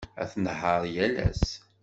Ad tnehheṛ yal ass.